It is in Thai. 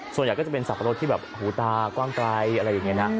ส่วนใหญ่ก็จะเป็นสับปะรดที่แบบหูตากว้างไกลอะไรอย่างนี้นะ